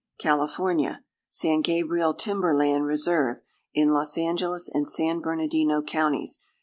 CALIFORNIA. =San Gabriel Timber Land Reserve.= In Los Angeles and San Bernardino counties.